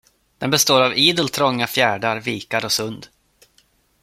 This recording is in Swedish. Den består av idel trånga fjärdar, vikar och sund.